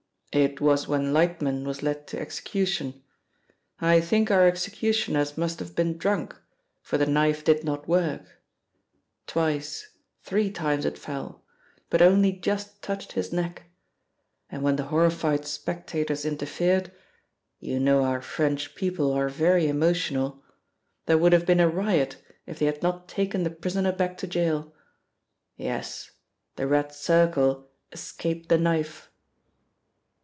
"It was when Lightman was led to execution. I think our executioners must have been drunk, for the knife did not work; twice, three times it fell, but only just touched his neck. And when the horrified spectators interfered you know our French people are very emotional there would have been a riot if they had not taken the prisoner back to gaol. Yes, the Red Circle escaped the knife."